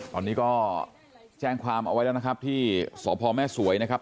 ตอนนี้ก็แจ้งความเอาไว้แล้วนะครับที่สพแม่สวยนะครับ